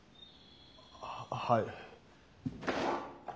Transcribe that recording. あははい。